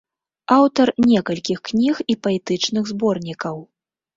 Аўтар некалькіх кніг і паэтычных зборнікаў.